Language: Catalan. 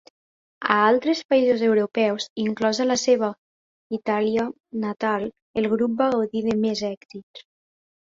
A altres països europeus, inclosa la seva Itàlia natal, el grup va gaudir de més èxits.